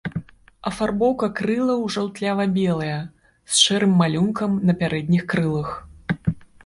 Афарбоўка крылаў жаўтлява-белая, з шэрым малюнкам на пярэдніх крылах.